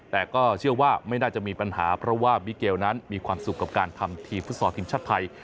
แต่ก็เชื่อว่าไม่น่าจะมีปัญหาเพราะว่าบิเกลนั้นมีความสุขกับการทำทีมฟุตซอลทีมชาติไทย